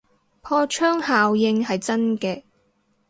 破窗效應係真嘅